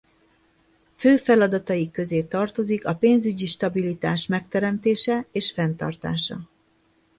Fő feladatai közé tartozik a pénzügyi stabilitás megteremtése és fenntartása.